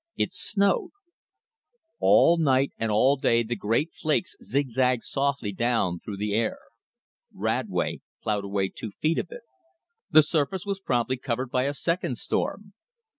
It snowed. All night and all day the great flakes zig zagged softly down through the air. Radway plowed away two feet of it. The surface was promptly covered by a second storm.